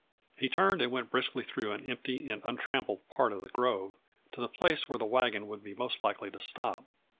He turned and went briskly through an empty and untrampled part of the grove to the place where the wagon would be most likely to stop.